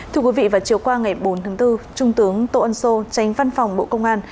thưa quý vị vào chiều qua ngày bốn tháng bốn trung tướng tô ân sô tránh văn phòng bộ công an